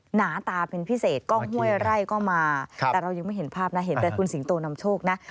หนาตาเป็นพิเศษกล้องห้วยไร่ก็มาแต่เรายังไม่เห็นภาพนะเห็นแต่คุณสิงโตนำโชคนะ